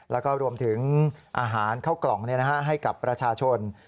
แล้วก็รวมถึงอาหารเข้ากล่องให้กับประชาชน